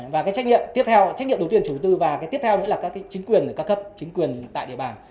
và cái trách nhiệm tiếp theo trách nhiệm đầu tiên chủ đầu tư và cái tiếp theo nữa là các chính quyền các cấp chính quyền tại địa bàn